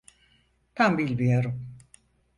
Tam bilmiyorum.